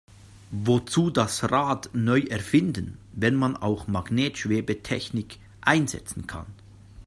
Wozu das Rad neu erfinden, wenn man auch Magnetschwebetechnik einsetzen kann?